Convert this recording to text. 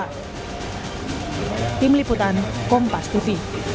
tim liputan kompas tv